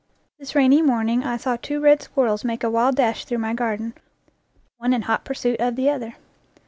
This rainy morning I saw two red squirrels make a wild dash through my garden, one in hot pursuit of the other.